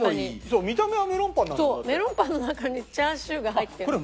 そうメロンパンの中にチャーシューが入ってる。